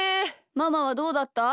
ママはどうだった？